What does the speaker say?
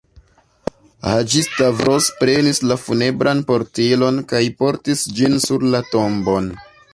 Haĝi-Stavros prenis la funebran portilon kaj portis ĝin sur la tombon.